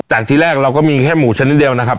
ที่แรกเราก็มีแค่หมูชนิดเดียวนะครับ